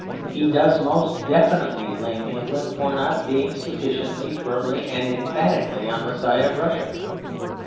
He does most definitely blame England for not being sufficiently firmly and emphatically on the side of Russia.